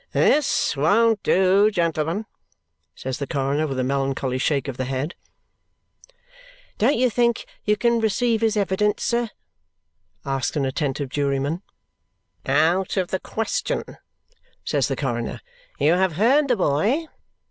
"This won't do, gentlemen!" says the coroner with a melancholy shake of the head. "Don't you think you can receive his evidence, sir?" asks an attentive juryman. "Out of the question," says the coroner. "You have heard the boy.